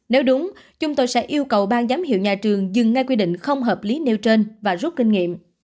nếu đúng chúng tôi sẽ yêu cầu ban giám hiệu nhà trường dừng ngay quy định không hợp lý nêu trên và rút kinh nghiệm